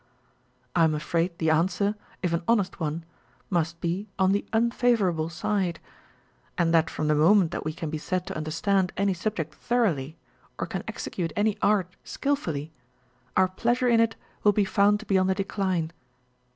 I am afraid the answer, if an honest one, must be on the unfavourable side ; and that from the moment that we can be said to understand any subject thoroughly, or can execute any art skilfully, our pleasure in it will be found to be on the decline.